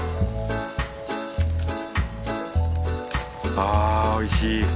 あぁおいしい。